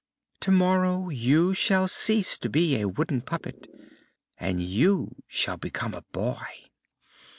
"Tomorrow you shall cease to be a wooden puppet and you shall become a boy."